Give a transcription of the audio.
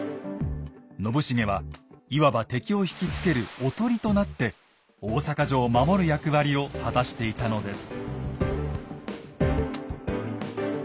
信繁はいわば敵を引きつける「おとり」となって大坂城を守る役割を果たしていたのです。